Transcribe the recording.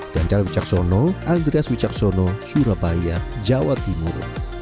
dan cara wicaksono andreas wicaksono surabaya jawa timur